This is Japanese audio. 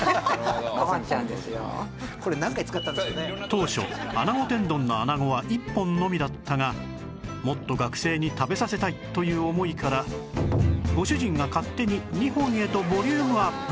当初穴子天丼の穴子は１本のみだったがもっと学生に食べさせたいという思いからご主人が勝手に２本へとボリュームアップ